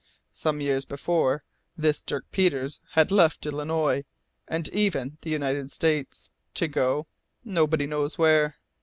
Some years before this Dirk Peters had left Illinois, and even the United States, to go nobody knows where.